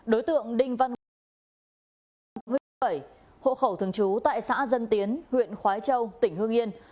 đối tượng đinh văn hợp hai mươi bảy hộ khẩu thường trú tại xã dân tiến huyện khói châu tỉnh hương yên